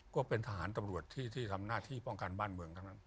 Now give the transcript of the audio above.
ก็เป็นทหารตำรวจที่ทำหน้าที่ป้องกันบ้านเมืองทั้งนั้น